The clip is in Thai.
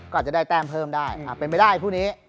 ก็อาจจะได้แต้มเพิ่มได้เป็นไปได้คู่นี้